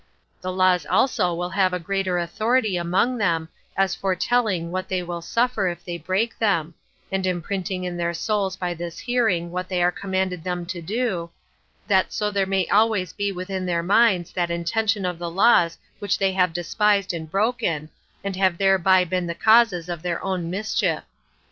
The laws also will have a greater authority among them, as foretelling what they will suffer if they break them; and imprinting in their souls by this hearing what they command them to do, that so there may always be within their minds that intention of the laws which they have despised and broken, and have thereby been the causes of their own mischief.